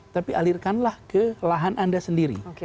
tapi alirkanlah ke lahan anda sendiri